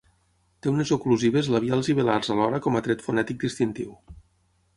Té unes oclusives labials i velars alhora com a tret fonètic distintiu.